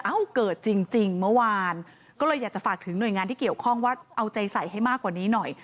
เกิดจริงเมื่อวานก็เลยอยากจะฝากถึงหน่วยงานที่เกี่ยวข้องว่าเอาใจใส่ให้มากกว่านี้หน่อย